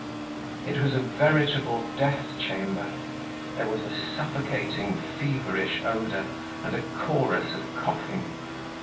It was a veritable death chamber. There was a suffocating, feverish odor and a chorus of coughing.